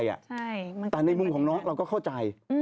แต่ในมุมของน้องเราก็เข้าใจ